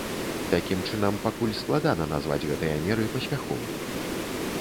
Такім чынам, пакуль складана назваць гэтыя меры паспяховымі.